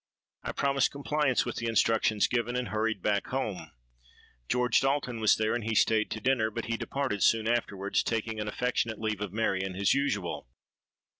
I promised compliance with the instructions given, and hurried back home. George Dalton was there, and he stayed to dinner; but he departed soon afterwards, taking an affectionate leave of Marion as usual.